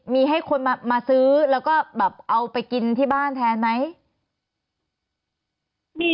มีให้คนมาซื้อแล้วก็แบบเอาไปกินที่บ้านแทนไหม